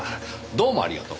どうもありがとう。